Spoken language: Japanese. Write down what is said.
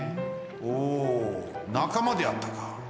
おおなかまであったか。